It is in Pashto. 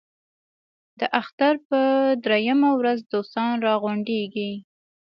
د اختر په درېیمه ورځ دوستان را غونډېږي.